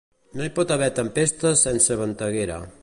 No hi pot haver tempesta sense venteguera.